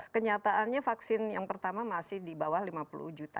kenyataannya vaksin yang pertama masih di bawah lima puluh juta